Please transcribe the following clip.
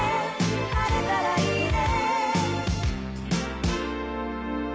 「晴れたらいいね」